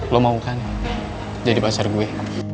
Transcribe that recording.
lo mau kan jadi pasar gue